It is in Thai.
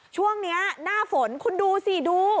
ช่วงนี้หน้าฝนคุณดูสิดู